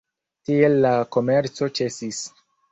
Tiel la komerco ĉesis.